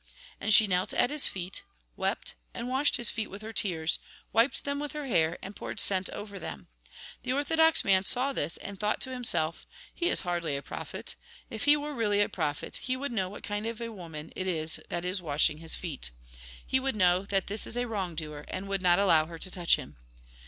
And she knelt at his feet, wept, and washed his feet with her tears, wiped them with her hair, and poured scent over them. The orthodox man saw this, and thought to himself :" He is hardly a prophet. If he were really a prophet, he would know what kind of a woman it is that is washing his feet. He would know that this is a wrong doer, and would not allow her to touch him."